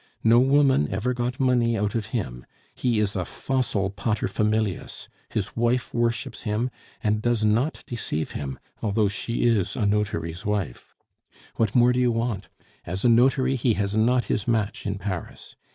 No woman ever got money out of him; he is a fossil pater familias, his wife worships him, and does not deceive him, although she is a notary's wife. What more do you want? as a notary he has not his match in Paris.